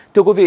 thưa quý vị